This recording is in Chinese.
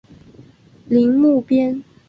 宁木边。